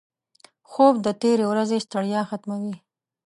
خوب د تېرې ورځې ستړیا ختموي